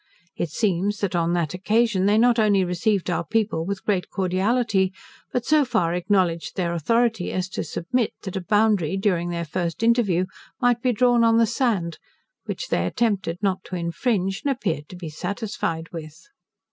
It seems, that on that occasion, they not only received our people with great cordiality, but so far acknowledged their authority as to submit, that a boundary, during their first interview, might be drawn on the sand, which they attempted not to infringe, and appeared to be satisfied with.